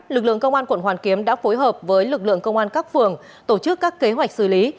lực lượng công an quận hoàn kiếm đã phối hợp với lực lượng công an các phường tổ chức các kế hoạch xử lý